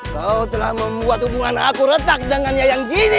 kau telah membuat hubungan aku retak dengan yayang jinny